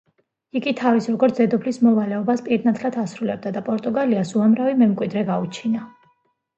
იგი თავის, როგორც დედოფლის მოვალეობას პირნათლად ასრულებდა და პორტუგალიას უამრავი მემკვიდრე გაუჩინა.